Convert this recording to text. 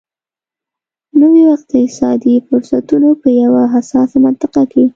نویو اقتصادي فرصتونو په یوه حساسه مقطعه کې.